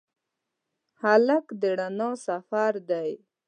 هلک د رڼا سفر دی.